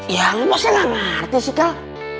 ya lo pasti gak ngerti sih kal